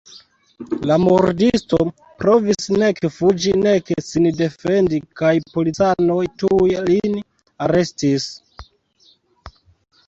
La murdisto provis nek fuĝi nek sin defendi kaj policanoj tuj lin arestis.